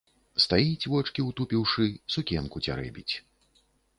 Стаіць, вочкі ўтупіўшы, сукенку цярэбіць.